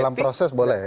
dalam proses boleh ya